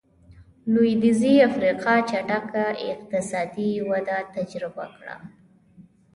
لوېدیځې افریقا چټکه اقتصادي وده تجربه کړه.